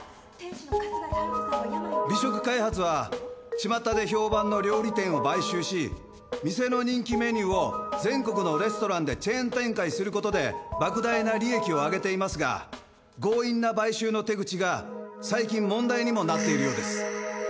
美食開発は巷で評判の料理店を買収し店の人気メニューを全国のレストランでチェーン展開する事で莫大な利益を上げていますが強引な買収の手口が最近問題にもなっているようです。